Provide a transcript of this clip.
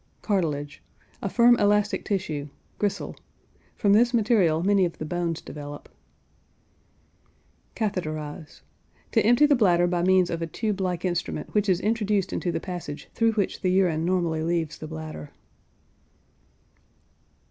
CARTILAGE. A firm, elastic tissue; gristle. From this material many of the bones develop. CATHETERIZE. To empty the bladder by means of a tube like instrument which is introduced into the passage through which the urine normally leaves the bladder.